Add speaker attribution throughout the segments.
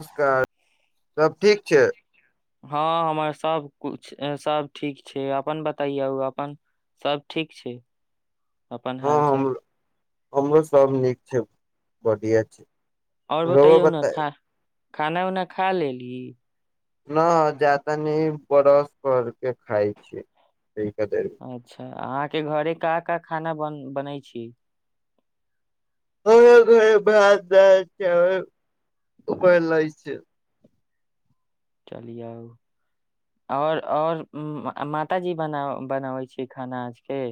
Speaker 1: नमस्कार सब ठीक छै
Speaker 2: हँ हमर सब कुछ सब ठीक छै अपन बतैयौ अपन सब ठीक छै अपन
Speaker 1: हँ
Speaker 2: हाल
Speaker 1: हम
Speaker 2: चाल
Speaker 1: हमरो सब नीक छै बढ़िया छै
Speaker 2: आओर
Speaker 1: रउआ
Speaker 2: बताइयौ ने
Speaker 1: बताई
Speaker 2: खा खाना उना खा लेली
Speaker 1: न जा तानी ब्रश कर के खाय छी देर में।
Speaker 2: अच्छा अहाँके घरे का का खाना बन बनैत छी
Speaker 1: हमरा घरे भात दाल चावल बनलै छै
Speaker 2: चलियौ आओर आओर माताजी बना बनबै छै खाना आजके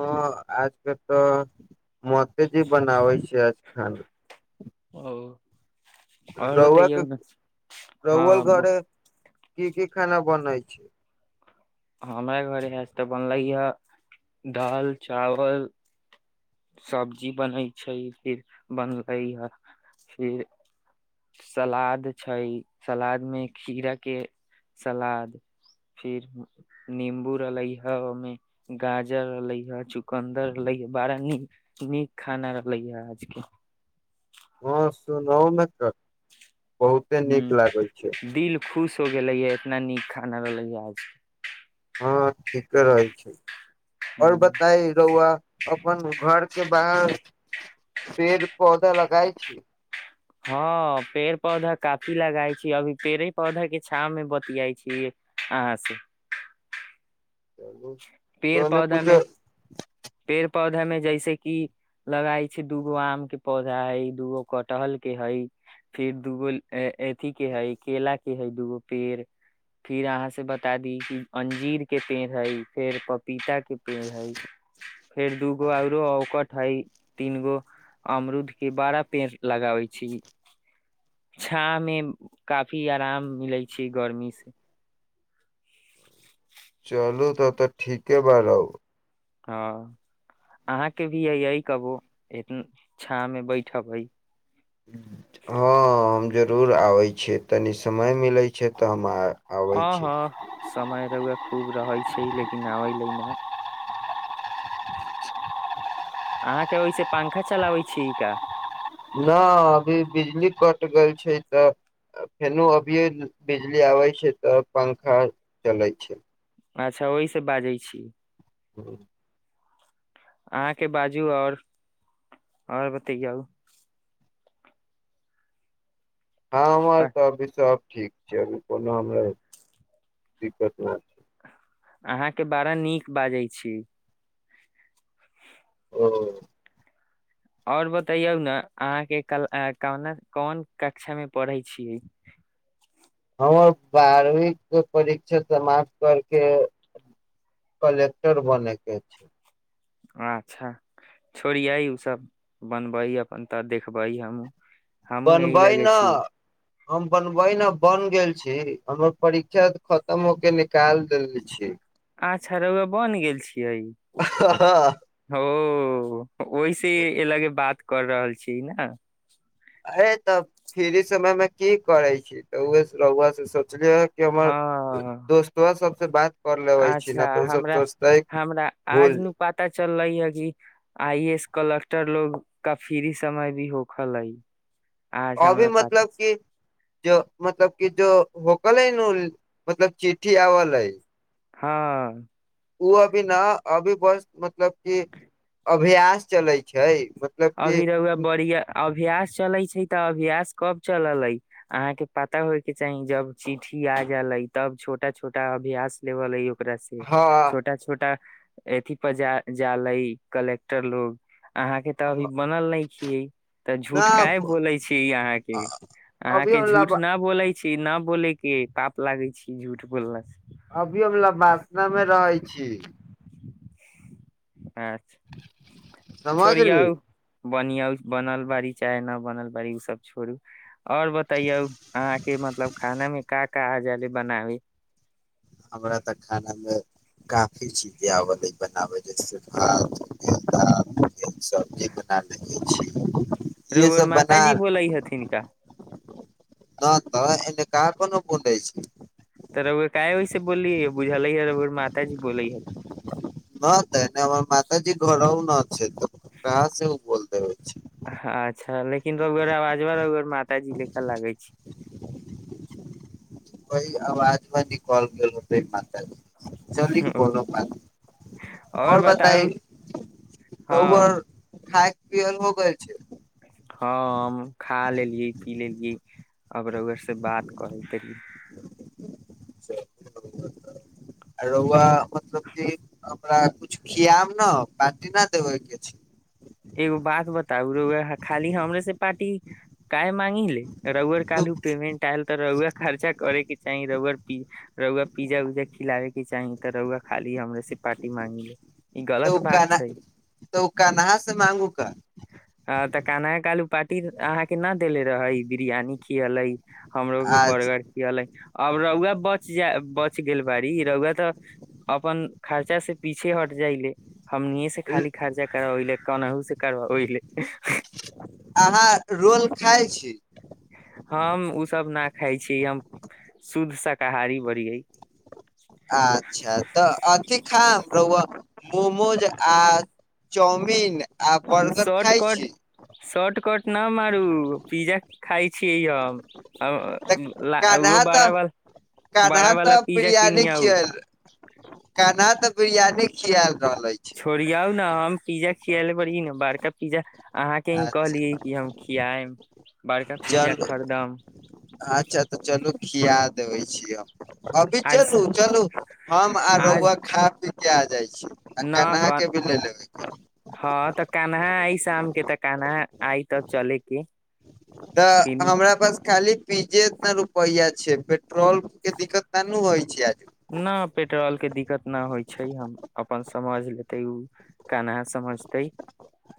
Speaker 1: ह आजके तऽ मातेजी बनाबै छै हन
Speaker 2: ओ और
Speaker 1: रौआके
Speaker 2: बतैयौ ने
Speaker 1: रौआ
Speaker 2: हँ ब-
Speaker 1: घरे की की खाना बनै छै
Speaker 2: हमरा घर इएह तऽ बनलैए दाल चावल सब्जी बनै छै फिर बनले ह फिर सलाद छै सलाद मे खीरा के सलाद फिर नीम्बू रहले हे ओहिमे गाजर रहले हे चुकन्दर रहले ह बारा नीक नीक खाना रहलैयै आजके
Speaker 1: हँ सुनहु मे तऽ
Speaker 2: ह
Speaker 1: छै
Speaker 2: दिल खुश हो गेलै ह इतना नीक खाना रहलै है आज
Speaker 1: हँ ठीके रहै छै आओर
Speaker 2: हूं,
Speaker 1: बताइ रौआ अपन घर के बाहर पेड़ पौधा लगाय छी
Speaker 2: हँ पेड़ पौधा काफी लगाइ छी अभी पेड़े पौधाके छाँव मे बतियाइ छी अहाँ से
Speaker 1: चलू
Speaker 2: पेड़
Speaker 1: तहने किछो
Speaker 2: पेड़ पौधा में जैसे की लगाई छै दूगो आम के पौधा हई दूगो कटहल के हई फिर दूगो अथि के है केला के हय दूगो पेड़ फिर अहाँ से बता दी कि अंजीर के पेड़ है फेर पपीता के पेड़ हइ फेर दूगो औरो औकट हइ तीन गो अमरुद के बड़ा पेड़ लगाबे छी छा मे काफी आराम मिले छै गर्मी से
Speaker 1: चलू तऽ तऽ ठीके बारौ
Speaker 2: हँ अहाँके भी आहियै कबो छाव मे बैठबै
Speaker 1: हँ हम जरूर आबै छियै तनी समय मिलै छै तऽ हम आ
Speaker 2: हँ हँ समय रुए खूब रहै छै लेकिन आबे ल न ह अहाँके ओहिसे पंखा चलाबै छी का
Speaker 1: नहि अभी बिजली कट गेल छै तऽ फेनो अभिये बिजली आबै छै तऽ पंखा चलै छै
Speaker 2: अच्छा ओहिसँ बाजै छी
Speaker 1: ह्म
Speaker 2: अहाँके बाजू आओर आओर बतै
Speaker 1: हँ हमर त सब ठीक छै अभी कोना हमरा दिक्कत नहि छै,
Speaker 2: अहाँके बारा नीक बाजै, छी
Speaker 1: छै ओ
Speaker 2: आओर बतै ने अहाँके क कोन कक्षा मे पढ़ै छियै
Speaker 1: हमर बारहवीं परीक्षा समाप्त करके कलेक्टर बनयके छै,।
Speaker 2: अच्छा छोड़िय ओसभ बनबै अपन त देखबै हमूँ
Speaker 1: बनबै ने। हम बनबै न बन गेल छी हमर परीक्षा खतम हो के निकाल देले छी
Speaker 2: अच्छा रुआ बनि गेल छी
Speaker 1: अरे
Speaker 2: ओहिस अ ल बात कर रहल छी न
Speaker 1: हे तब फ्री समय मे की करे छी त रुआ सब केँ बुलि कि हमर
Speaker 2: हँ
Speaker 1: दोस्त सब से बात कर लेबे छी न
Speaker 2: अच्छा
Speaker 1: तऽ ओ सब
Speaker 2: हमरा
Speaker 1: सोचते
Speaker 2: हमरा आज
Speaker 1: भूल
Speaker 2: न पता चललै ह कि आइ ए एस कलक र लोग का फ्री समय भी होख लई
Speaker 1: अभी मतलब की ज मतलब की जो होकल हय न मतलब चिठ्ठीआबले है
Speaker 2: हँ
Speaker 1: ओ अभी न अभी बस मतलब क अभ्यास चलै छै मतलब कि
Speaker 2: अभी रहा बड़िया अभ अभ्यास चले छै तऽ अभ्यास कब चलल अहाँ के पता होय के चाही जब चिठ्ठी आ जाले तब छोटा छोटा अभ्यास लेवल रसी
Speaker 1: हँ
Speaker 2: छोटा छोटा अयी पर जाले कलेक्टर लोग अहाँ तऽ अभी बनल ने छीिये तऽ
Speaker 1: न
Speaker 2: झूठ काय बोले छी अहा के अहां के
Speaker 1: अभी
Speaker 2: झूठ न बोले छी न बोलेके पाप लागे छी झूठ बोलला से
Speaker 1: अभी हम लब्बासना मे रहै छी
Speaker 2: छोड़िया
Speaker 1: समझली
Speaker 2: आउ बनौ बनल बारी चाहे न बनल बारी ओ सब छोड़ू और बतैयौ अहाँके मतलब खाना में का काहा जबे बनाबी
Speaker 1: हमरा तऽ खाना मे काफी चीजे आवअ लै बनावे जैसे भात दाल सब्जी बना लेले छी इहे
Speaker 2: रौआ
Speaker 1: सब बना
Speaker 2: माताजी बोलै हथिन का
Speaker 1: न तऽ एने कहा कोनो बेलै छै
Speaker 2: त रौआ काहे वैसे बोल लिये बुझले यर रौआ मातााजी बोलै हथिन
Speaker 1: न त हमर मातजी घरहु ना छथि कहाँ से उऽ बैल देबइ छै
Speaker 2: छैय लेकिन रौआ आवाजबा रौआ माताजी लेखा लागै छैय
Speaker 1: कई अवाजमे निकल गेल होतै मात जी जेना चली
Speaker 2: ओ
Speaker 1: कोनो बात
Speaker 2: और
Speaker 1: आओर बताइ
Speaker 2: बताउ
Speaker 1: रौअर
Speaker 2: हँ
Speaker 1: खाइ केहेन हो गेल छै
Speaker 2: हँ हम खा लेलियै पी लेलियै अब रौआसँ बात करै के कनी
Speaker 1: आ रौआ मतलब कि अ हमरा कछु खियेब न पाटि न देबै के छै
Speaker 2: एगो बात बताउ रौआ खाली हमरे से पाटी काहे मांगि ले रौआ काल्हू
Speaker 1: तऽ
Speaker 2: पेमेंट आयल तऽ रौआ खर्चा करे के चाही रौअर की रौआ पिज्जा उज्जा खिलाबे के चाही तऽ रौआ खाली हमरे से पाटी मांगि ले ई
Speaker 1: तऽ
Speaker 2: गलत
Speaker 1: उ कान्हा तऽ उ कनहाँ
Speaker 2: हँ तऽ कनहा क आलू पार्टी अहाँ के न देेले रहै बिरियानी खियलेै हमरो के
Speaker 1: आ
Speaker 2: बड़गर खियलै आब रौआ बच जा बच गेल बड़ी रौआ तऽ अपन खर्चा से पीछे हट जाइले हमनी ये से खाली खर्जा करबाबी ले कनहु से कारबाबे ओहि लेल
Speaker 1: अहाँ रोल खाय छी
Speaker 2: हम उसभ न खाइ छीयै हम शुद्ध शाकाहारी बड़ियै
Speaker 1: अच्छा तऽ अथी खाइम रौआ मोमोज आ चाउमिन आ बर्गर खाय छिये
Speaker 2: शॉर कर्ट न मारू पिज्जा खााय छियै
Speaker 1: तऽ
Speaker 2: हम
Speaker 1: कान्हा तऽ
Speaker 2: बड़ा ब बड़ा
Speaker 1: कान्हा
Speaker 2: बाला
Speaker 1: तऽ
Speaker 2: पिज्जा
Speaker 1: बिरियानी
Speaker 2: किनहउ।
Speaker 1: बरियानी खिआल
Speaker 2: छोड़ियौ न हम पिज्जा खियेले बड़ीये न बारका पिज्जा अहाँके ही
Speaker 1: अच्छा
Speaker 2: कहलियै कि हम खियाए म बड़का पिज्जा
Speaker 1: चलू
Speaker 2: खरीदम
Speaker 1: अच्छा तऽ चलू खिया देबै छियै हम अभी
Speaker 2: आज
Speaker 1: चलू
Speaker 2: स-
Speaker 1: चलू हम आ रौआ
Speaker 2: आज
Speaker 1: खा पी
Speaker 2: न
Speaker 1: [unintelligible] आ
Speaker 2: हँ
Speaker 1: [unintelligible]
Speaker 2: तऽ कानहा आई शाम के तऽ कानहा आई तब चले के।
Speaker 1: तऽ
Speaker 2: तीनू
Speaker 1: हमरा पास खाली पीज्जे एतना रुपैया छैय पेट्रोल के दिक्कत त ननू होइ छैय आज।
Speaker 2: न पेट ट्रोल के दिक्कत न होइ छैय हम अपन समझ लेते ओ केना समझतै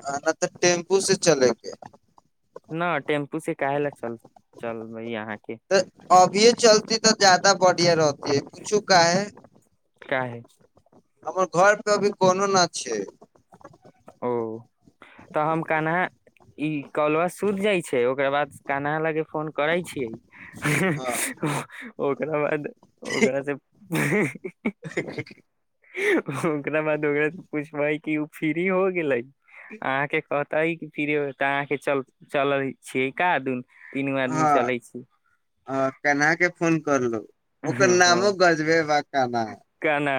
Speaker 1: ह ना तऽ टेम्पू से चलेकेे।
Speaker 2: न टेम्पू से काहे ल चल चल यहाँ
Speaker 1: तऽ अभियए चलती तऽ ज्यादा बढ़िया रहतय पूछू काहे?
Speaker 2: काहे?
Speaker 1: हमर घर प अभी कोनो न छैय।
Speaker 2: ओ तऽ हम कन्हा ई कलुआ सुति जाइ छैय ओकर बाद कन्हा लागे फोन करै छियै
Speaker 1: हँ
Speaker 2: ओकरा बाद ओकरासँ ओकरा बाद ओरासे पुछबय कि ओ फ्री हो गेलै? आहके कह तहिके फिर तऽ अहाँके चल चलल छियै का दुनु
Speaker 1: हँ हँ कन्हा के फोन कर लेब ओकर नामो
Speaker 2: हँ,
Speaker 1: गजबे बा काना।
Speaker 2: कान्हा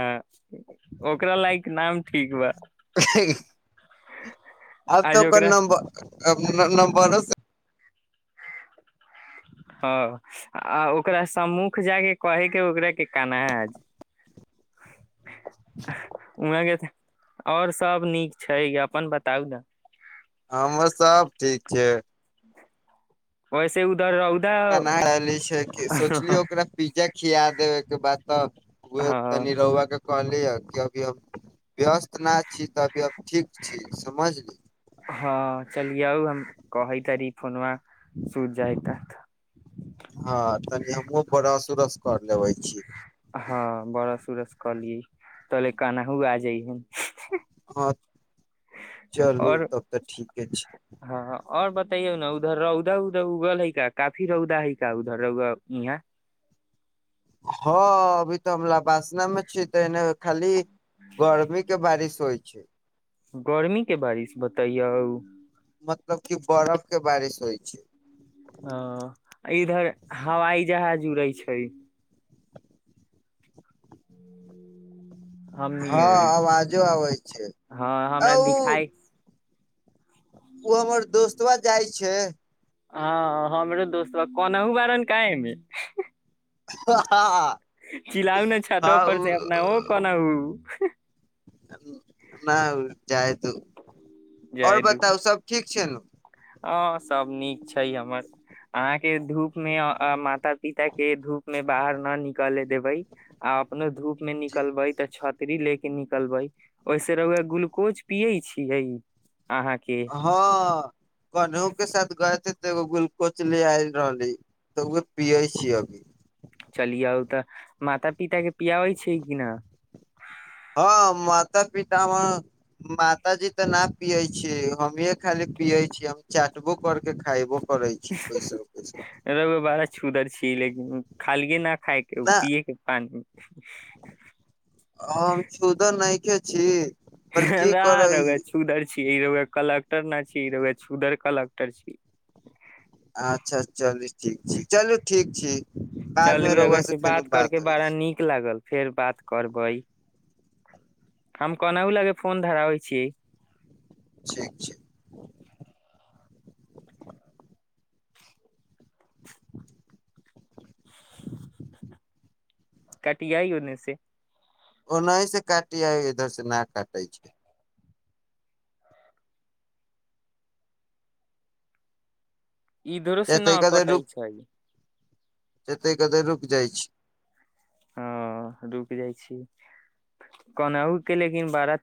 Speaker 2: ओकरा लायक नाम ठीक बा।
Speaker 1: [unintelligible] आब तऽ
Speaker 2: आज
Speaker 1: ओकर
Speaker 2: ओकरा
Speaker 1: नंबर न नंबरो से
Speaker 2: हँ आ ओकरा सम्मुख जायके कहेके ओकरा के केना वह आओर सब नीक छै अपन बताउ ने।
Speaker 1: हमर सब ठीक छैय।
Speaker 2: वैसे उ
Speaker 1: ना रहली छै सोचलियौ ओकरा पिज्जा खिया देबैके बाद तऽ
Speaker 2: हँ
Speaker 1: तनि रौआ के कहलिय क अभी हम व्यस्त ना छी तऽ अभी हम ठीक छी समझली
Speaker 2: हँ [unintelligible]
Speaker 1: हँ तनी हमहुँ [unintelligible]
Speaker 2: हँ बड़ सूरज कहलि तले कनहु आ जाइ ह।
Speaker 1: हँ चलू
Speaker 2: और
Speaker 1: तब तऽ ठीके छैय।
Speaker 2: हँ और बतैयौ ने उधर रौदा औदा उगल हय का काफी रौदा हय का उधर र‌उआ यहाँ
Speaker 1: हँ अभी तऽ हम लवासना मे छियै तऽ एने खाली गर्मी के बारिश होइ छै छै
Speaker 2: गर्मी के बारिश बतायौ
Speaker 1: मतलब की बरफ के बारिश होइयछै
Speaker 2: हँ जुड़ै छै हमनी
Speaker 1: हँ
Speaker 2: ओरी
Speaker 1: अवाजो आबै छै
Speaker 2: हँ
Speaker 1: आ
Speaker 2: हमरा दिखाई
Speaker 1: कतब जाइ छै
Speaker 2: हँ हमरो दोस्त बा कोनाहु बारन कमे
Speaker 1: हँ
Speaker 2: चिललाउ ने छतो पर
Speaker 1: उ
Speaker 2: से अपना ओ कोना
Speaker 1: न जाइ तू आओर
Speaker 2: जाय दू
Speaker 1: बताउ सब ठीक चलु
Speaker 2: हँ सभ नीक छै हमर अहाँके धूप मे माता पिता के धूप ने बाहर न निकल देबै आ अपनो धूप मे निकलबै तऽ छात छतरी ले के निकलबै ओहिस र‌उआ ग्लूकोज पिये छियै अहाँके
Speaker 1: हँ कनहु के साथ गए तऽ एगो गुलकोचले आय रहले तऽ उ पियै छी अभी
Speaker 2: चलियौ तऽ माता पिता के पियाबै छै कि न
Speaker 1: हँ माता पिता हमर माताजी तऽ नहि पियै छियै हमीए खाली पियै छियै हम चाटबो करके खायबो करै छी कैसो कैसो
Speaker 2: बड़ा छूधर छी लेकिन खालिए न खायके पियएके पानि [unintelligible]
Speaker 1: आ हम छुदर न‌इखे छी पर की
Speaker 2: त
Speaker 1: करै
Speaker 2: ग छू दर छी ई र‌उआ कलेक्टर ना छी ई र‌उआ छुदर कलक्टर छी
Speaker 1: अच्छा चलू ठीक छी चलू ठीक छी बाद मे
Speaker 2: चलू
Speaker 1: रौआ से फेर
Speaker 2: करके
Speaker 1: बात होइ
Speaker 2: बड़ा
Speaker 1: छै
Speaker 2: नीक लागल फेर बात करबै हम कोनाहु लग फोन धराबै छियै
Speaker 1: ठीक छै
Speaker 2: कटिया ह उने से
Speaker 1: ओनासँ काटिय आ इधर से न काटै छै
Speaker 2: ई धरो से ना कट ई छै
Speaker 1: जतय कतय रुकि जाइत छै
Speaker 2: ह रुक जाइ छी कोनाहु के लेकिन बारा